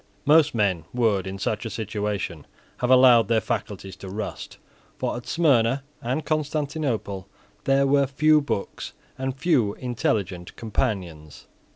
Most men would, in such a situation, have allowed their faculties to rust. For at Smyrna and Constantinople there were few books and few intelligent companions.